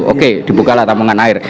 oke dibukalah tampungan air